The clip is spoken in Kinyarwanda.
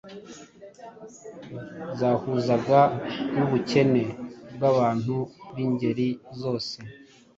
zahuzaga n’ubukene bw’abantu b’ingeri zose,